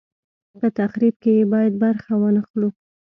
په تخریب کې یې باید برخه وانه خلو.